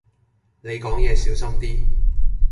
你講野小心啲